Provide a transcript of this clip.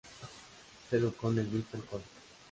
Se educó en el Bristol College.